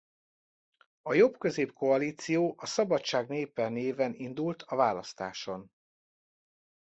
A jobbközép koalíció a Szabadság Népe néven indult a választáson.